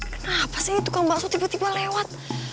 kenapa sih tukang bakso tiba tiba lewat